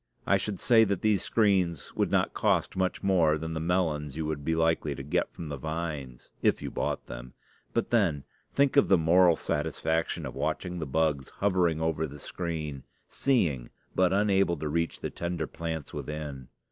I should say that these screens would not cost much more than the melons you would be likely to get from the vines if you bought them; but then, think of the moral satisfaction of watching the bugs hovering over the screen, seeing but unable to reach the tender plants within.